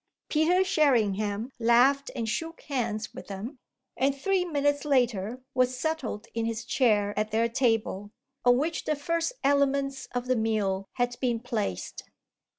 Peter Sherringham laughed and shook hands with them, and three minutes later was settled in his chair at their table, on which the first elements of the meal had been placed.